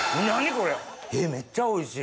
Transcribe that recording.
これえめっちゃおいしい。